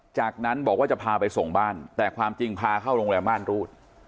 จากนั้นบอกว่าจะพาไปส่งบ้านแต่ความจริงพาเข้าโรงแรมม่านรูด